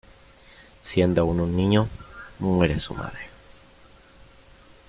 Siendo aún niño, muere su madre.